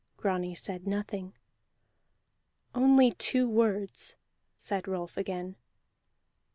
Grani said nothing. "Only two words," said Rolf again.